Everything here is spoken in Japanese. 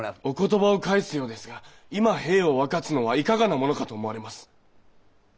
お言葉を返すようですが今兵を分かつのはいかがなものかと思われます。